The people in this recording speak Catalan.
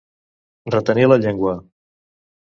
Retenir la llengua.